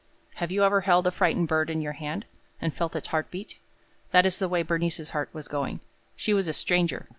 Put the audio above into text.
Have you ever held a frightened bird in your hand, and felt its heart beat? That is the way Bernice's heart was going. She was a stranger.